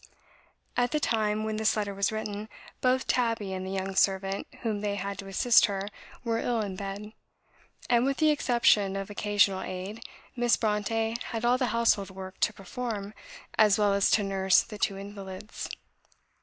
At the time when this letter was written, both Tabby and the young servant whom they had to assist her were ill in bed; and, with the exception of occasional aid, Miss Brontë had all the household work to perform, as well as to nurse the two invalids.